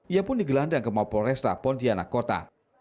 ia pun digelandang ke mapolresta pontianak kota